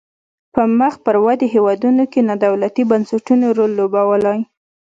په مخ پر ودې هیوادونو کې نا دولتي بنسټونو رول لوبولای.